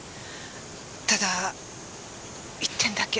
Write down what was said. ただ一点だけ。